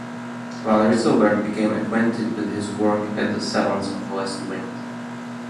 Van Rysselberghe became acquainted with his work at the salons of Les Vingt.